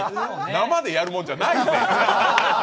生でやるもんじゃないって。